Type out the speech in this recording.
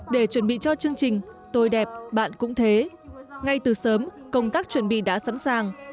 để chuẩn bị cho chương trình tôi đẹp bạn cũng thế ngay từ sớm công tác chuẩn bị đã sẵn sàng